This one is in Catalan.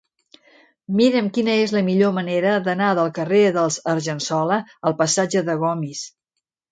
Mira'm quina és la millor manera d'anar del carrer dels Argensola al passatge de Gomis.